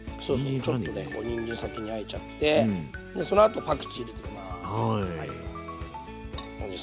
ちょっとねにんじん先にあえちゃってそのあとパクチー入れていきます。